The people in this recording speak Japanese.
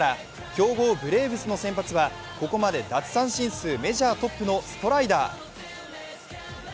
強豪・ブレーブスの先発はここまで奪三振数メジャートップのストライダー。